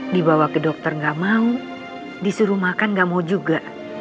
dibawa ke dokter gak mau disuruh makan gak mau juga